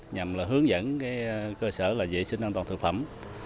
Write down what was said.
nhằm là hướng dẫn cái cơ sở là vệ sinh an toàn thực phẩm